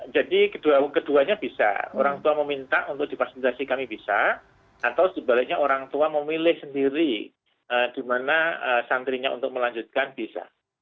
jadi keduanya bisa orang tua meminta untuk dipasilitasi kami bisa atau sebaliknya orang tua memilih sendiri di mana santrinya untuk melanjutkan bisa